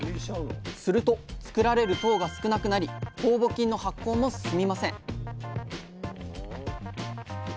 すると作られる糖が少なくなり酵母菌の発酵も進みません